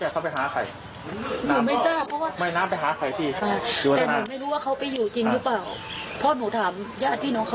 ครับไปเข้าไปประมาณ๗๘วันอาทิตย์หนึ่งค่ะ